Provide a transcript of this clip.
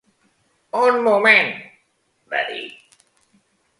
"Un moment", va dir.